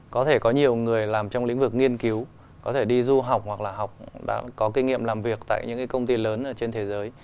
có thể có nhiều người làm trong lĩnh vực nghiên cứu có thể đi du học hoặc là học đã có kinh nghiệm làm việc tại những công ty lớn ở trên thế giới